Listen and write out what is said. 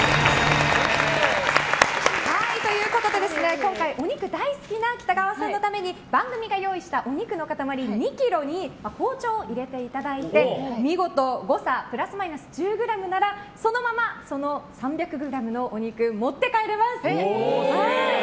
今回、お肉大好きな北川さんのために番組が用意したお肉の塊２ｋｇに包丁を入れていただいて、見事誤差プラスマイナス１０ｇならそのまま、３００ｇのお肉持って帰れます！